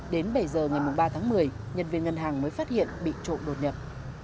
đến bảy h ngày ba tháng một mươi nhân viên ngân hàng mới phát hiện bị trộm đột nhập